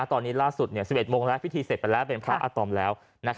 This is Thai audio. ตอนนี้ล่าสุด๑๑โมงแล้วพิธีเสร็จไปแล้วเป็นพระอาตอมแล้ว